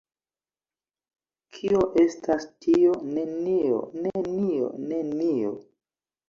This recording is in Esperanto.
Kio estas tio? Nenio. Nenio. Nenio.